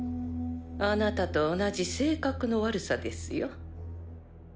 あなたと同じ性格の悪さですよ。